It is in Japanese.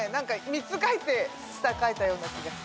３つ書いて下書いたような気がする。